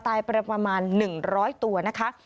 ไปประมาณ๑๐๐ตัวนะคะ